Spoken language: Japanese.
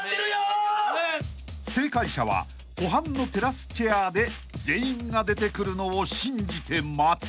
［正解者は湖畔のテラスチェアで全員が出てくるのを信じて待つ］